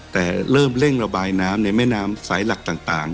แต่เริ่มเร่งระบายน้ำในแม่น้ำสายหลักต่าง